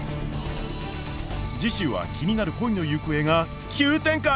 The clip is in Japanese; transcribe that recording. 次週は気になる恋の行方が急展開！